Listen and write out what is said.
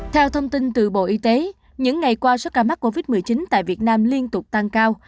theo thông tin từ bộ y tế những ngày qua số ca mắc covid một mươi chín tại việt nam liên tục tăng cao